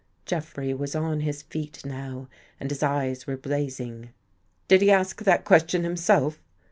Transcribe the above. Jeffrey was on his feet now and his eyes were blaz ing. " Did he ask that question himself?